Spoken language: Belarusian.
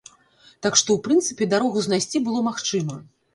Так што ў прынцыпе дарогу знайсці было магчыма.